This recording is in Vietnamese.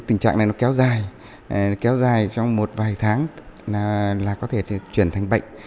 tình trạng này nó kéo dài kéo dài trong một vài tháng là có thể chuyển thành bệnh